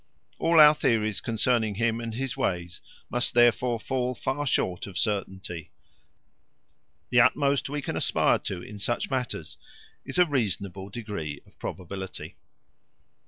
All our theories concerning him and his ways must therefore fall far short of certainty; the utmost we can aspire to in such matters is a reasonable degree of probability.